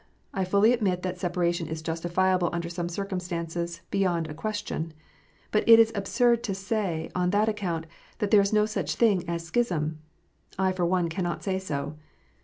I fully admit that separation is justifiable under some circumstances, beyond a question. But it is absurd to say on that account that there is no such thing as schism. I for one cannot say so.